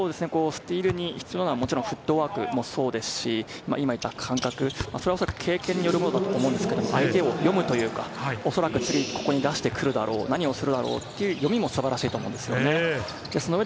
スティールに必要なのはフットワークもそうですし、感覚、おそらく経験によるものだと思いますけど、相手を読むというか、おそらく次、ここに出してくるだろう、何をするだろうという読みも素晴らしいですね。